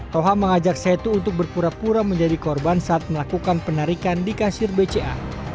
toha mengajak setu untuk berpura pura menjadi korban saat melakukan penarikan di kasir bca